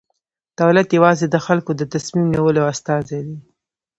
دولت یوازې د خلکو د تصمیم نیولو استازی دی.